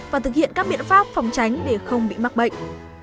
và thực hiện các biện pháp phòng tránh để không bị mắc bệnh